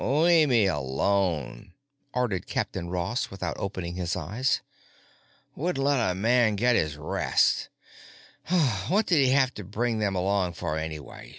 "Lea' me alone," ordered Captain Ross without opening his eyes. Wouldn't let a man get his rest. What did he have to bring them along for, anyway?